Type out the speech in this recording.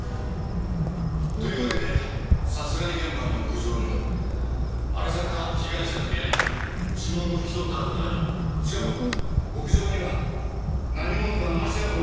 というわけで殺害現場の屋上にも荒らされた被害者の部屋にも指紋を拭き取った跡がありしかも屋上には何者かの足跡がありました。